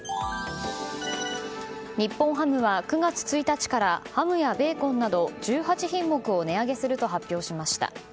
日本ハムは９月１日からハムやベーコンなど１８品目を値上げすると発表しました。